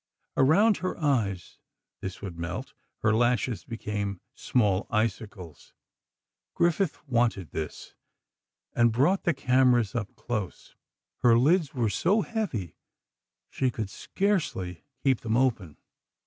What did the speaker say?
Around her eyes this would melt—her lashes became small icicles. Griffith wanted this, and brought the cameras up close. Her lids were so heavy she could scarcely keep them open.